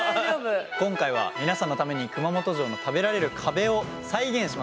今回は皆さんのために熊本城の食べられる壁を再現しました。